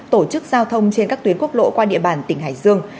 tổ chức giao thông trên các tuyến quốc lộ qua địa bàn tỉnh hải dương